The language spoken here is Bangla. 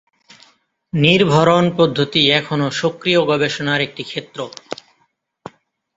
নির্ভরণ পদ্ধতি এখনো সক্রিয় গবেষণার একটি ক্ষেত্র।